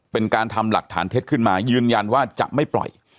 เป็นการทำหลักฐานเท็จขึ้นมายืนยันว่าจะไม่ปล่อย